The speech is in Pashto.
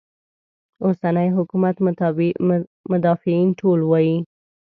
اوسني حکومت مدافعین ټول وایي.